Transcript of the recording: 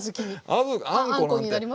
あんこなんて。